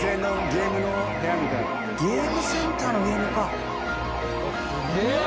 ゲームセンターのゲームか。